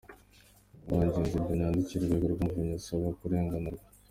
Ibaruwa Ngenzi Benoit yandikiye Urwego rw’Umuvunyi asaba kurenganurwa.